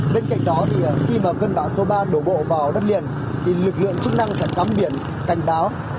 bên cạnh đó thì khi mà cơn bão số ba đổ bộ vào đất liền thì lực lượng chức năng sẽ cắm biển cảnh báo